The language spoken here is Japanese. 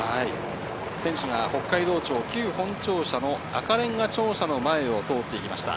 選手が、北海道庁旧本庁舎の赤れんが庁舎の前を通って行きました。